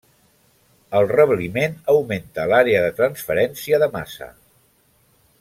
El rebliment augmenta l’àrea de transferència de massa.